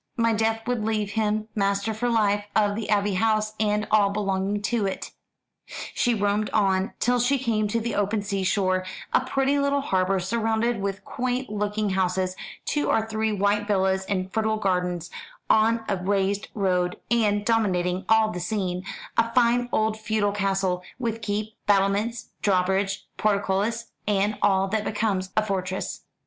My death would leave him master for life of the Abbey House and all belonging to it." She roamed on till she came to the open seashore; a pretty little harbour surrounded with quaint looking houses; two or three white villas in fertile gardens, on a raised road; and, dominating all the scene, a fine old feudal castle, with keep, battlements, drawbridge, portcullis, and all that becomes a fortress.